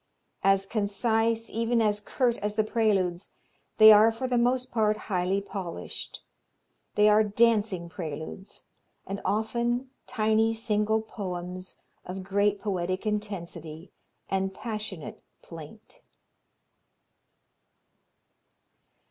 As concise, even as curt as the Preludes, they are for the most part highly polished. They are dancing preludes, and often tiny single poems of great poetic intensity and passionate plaint.